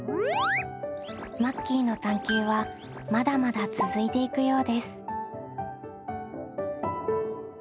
マッキーの探究はまだまだ続いていくようです。